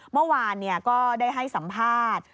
เมื่อวานก็ได้ให้สัมภาษณ์